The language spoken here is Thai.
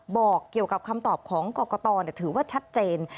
บอกเกี่ยวกับคำตอบของกรกตถือว่าชัดเจน